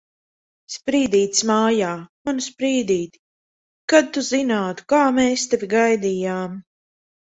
Sprīdītis mājā! Manu Sprīdīti! Kad tu zinātu, kā mēs tevi gaidījām!